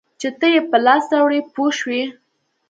چې ته یې په لاس راوړې پوه شوې!.